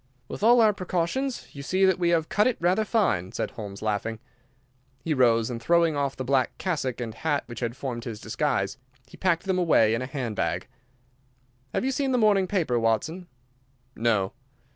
"With all our precautions, you see that we have cut it rather fine," said Holmes, laughing. He rose, and throwing off the black cassock and hat which had formed his disguise, he packed them away in a hand bag. "Have you seen the morning paper, Watson?" "No."